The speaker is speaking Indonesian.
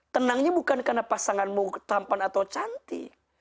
tenangnya bukan karena pasanganmu tampan atau cantik